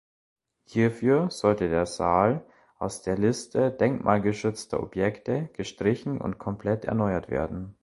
Hierfür sollte der Saal aus der Liste denkmalgeschützter Objekte gestrichen und komplett erneuert werden.